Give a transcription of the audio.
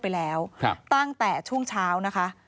ไปแล้วตั้งแต่ช่วงเช้านะคะ